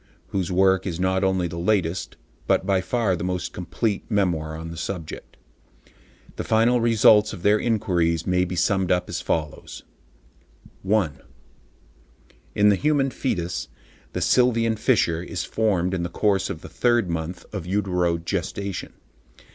whose work is not only the latest, but by far the most complete, memoir on the subject. The final results of their inquiries may be summed up as follows:— 1. In the human foetus, the sylvian fissure is formed in the course of the third month of uterogestation.